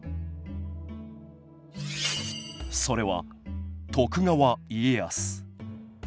それは徳川家康。